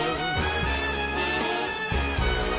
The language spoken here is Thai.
แล้วก็ขอบคุณทีมช่างแต่งหน้าของคุณส้มที่ให้เรานำเสนอข่าวนี้